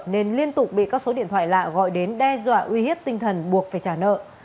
nên liên tục bị các số điện thoại lạ gọi đến đe dọa uy hiếp tinh thần buộc phải trả nợ